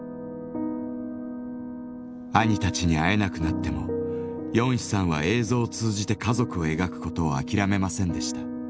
兄たちに会えなくなってもヨンヒさんは映像を通じて家族を描くことを諦めませんでした。